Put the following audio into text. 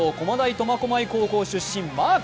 苫小牧高校出身のマー君。